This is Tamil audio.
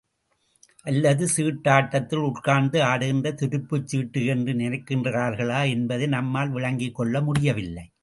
அல்லது சீட்டாட்டத்தில் உட்கார்ந்து ஆடுகின்ற துருப்புச் சீட்டு என்று நினைக்கிறார்களா என்பதை நம்மால் விளங்கிக் கொள்ள முடியவில்லை.